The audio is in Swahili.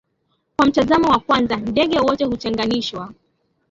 kwa mtazamo wa kwanza ndege wote hutenganishwa